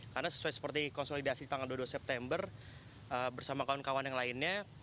karena sesuai seperti konsolidasi tanggal dua puluh dua september bersama kawan kawan yang lainnya